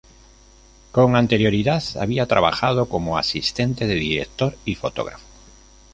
Con anterioridad había trabajado como asistente de director y fotógrafo.